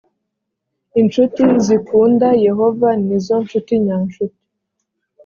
incuti zikunda yehova ni zo ncuti nyancuti